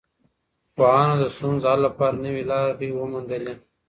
پوهانو د ستونزو د حل لپاره نوي لاري وموندلې.